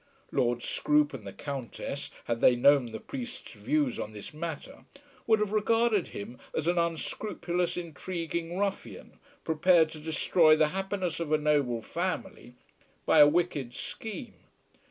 Lord Scroope and the Countess, had they known the priest's views on this matter, would have regarded him as an unscrupulous intriguing ruffian, prepared to destroy the happiness of a noble family by a wicked scheme.